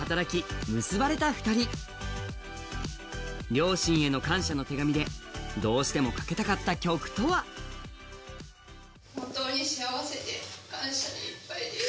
両親への感謝の手紙でどうしてもかけたかった曲とは本当に幸せで、感謝でいっぱいです。